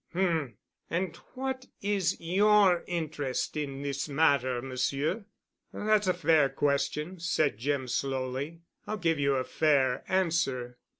"H—m. And what is your interest in this matter, Monsieur?" "That's a fair question," said Jim slowly. "I'll give you a fair answer.